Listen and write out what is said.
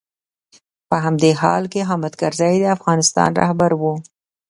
په همدې حال کې حامد کرزی د افغانستان رهبر و.